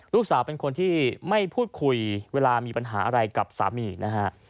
ลูกสาวเป็นคนที่ไม่พูดคุยเวลามีปัญหาอะไรกับสามีนะฮะ